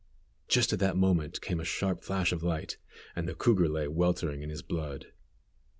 Just at that moment came a sharp flash of light, and the cougar lay weltering in his blood.